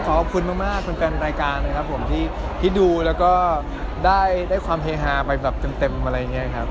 ขอบคุณมากแฟนรายการนะครับผมที่ดูแล้วก็ได้ความเฮฮาไปแบบเต็มอะไรอย่างนี้ครับ